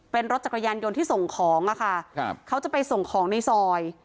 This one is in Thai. เป็นรถจักรยานยนต์ที่ส่งของอะค่ะครับเขาจะไปส่งของในซอย